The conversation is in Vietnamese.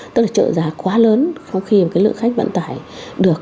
tức là trợ giá quá lớn không khi lượng khách vận tải được